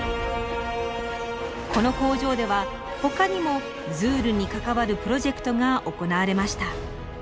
この工場ではほかにもズールに関わるプロジェクトが行われました。